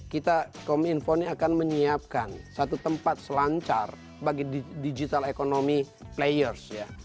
kita kom info ini akan menyiapkan satu tempat selancar bagi digital economy players ya